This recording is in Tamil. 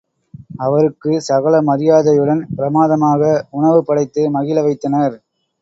அவருக்குச் சகல மரியாதையுடன் பிரமாதமாக உணவு படைத்து மகிழ வைத்தனர்.